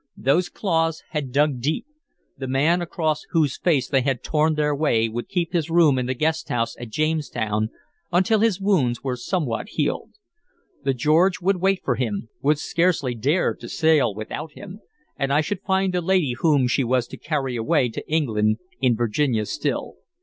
Those claws had dug deep; the man across whose face they had torn their way would keep his room in the guest house at Jamestown until his wounds were somewhat healed. The George would wait for him, would scarcely dare to sail without him, and I should find the lady whom she was to carry away to England in Virginia still.